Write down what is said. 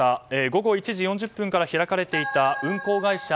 午後１時４０分から開かれていた運航会社